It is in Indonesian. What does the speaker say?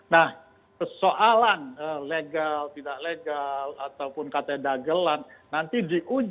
nah persoalan legal tidak legal ataupun kata dagelan nanti diuji di ranah hukum